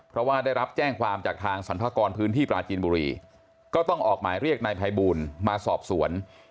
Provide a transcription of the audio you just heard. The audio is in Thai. เพราะว่าได้รับแจ้งความจากทางศัลพกรพื้นหน้าพี่ปราหญจีนบุรีก็ต้องออกมาเรียกในไพบูลมาสอบสวน